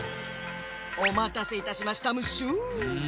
おまたせいたしましたムッシュ。